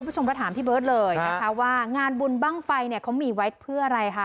คุณผู้ชมก็ถามพี่เบิร์ตเลยนะคะว่างานบุญบ้างไฟเนี่ยเขามีไว้เพื่ออะไรคะ